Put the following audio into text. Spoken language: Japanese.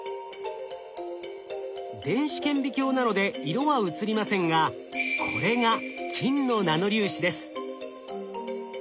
電子顕微鏡なので色は写りませんがこれが金のナノ粒子です。